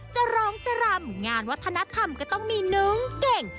จะร้องจะรำงานวัฒนธรรมก็ต้องมีน้องเก่ง